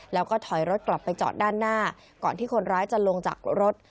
แล้วก็ถอยรถกลับไปจอดด้านหน้าก่อนที่คนร้ายจะลงจากรถ